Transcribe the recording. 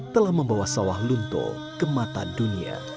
telah membawa sawah lunto ke mata dunia